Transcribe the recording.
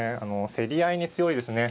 競り合いに強いですね。